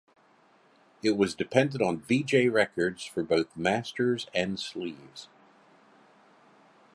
It was dependent on Vee-Jay Records for both masters and sleeves.